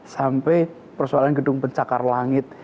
sampai persoalan gedung pencakar langit